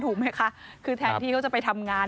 ถูกไหมคะคือแทนที่เขาจะไปทำงาน